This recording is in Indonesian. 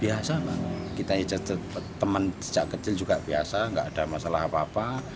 biasa banget kita teman sejak kecil juga biasa gak ada masalah apa apa